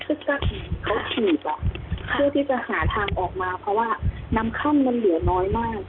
เขาถีดละเชื่อว่าน้ำข้อมันเหงื่อน้อยมาก